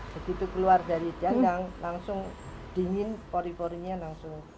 begitu keluar dari janggang langsung dingin pori porinya langsung